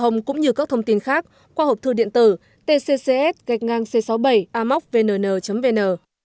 cảnh sát giao thông cũng như các thông tin khác qua hộp thư điện tử tccs c sáu mươi bảy amocvnn vn